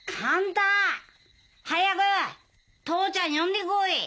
早く父ちゃん呼んで来い！